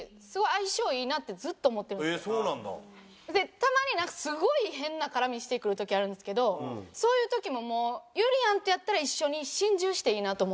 たまになんかすごい変な絡みしてくる時あるんですけどそういう時ももうゆりやんとやったら一緒に心中していいなと思ってます